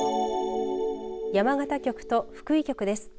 山形局と福井局です。